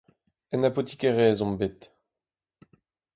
En apotikerezh omp bet.